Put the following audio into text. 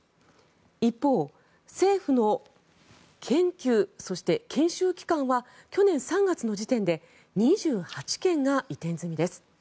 一方、政府の研究そして研修機関は去年３月の時点で２８件が移転済みです。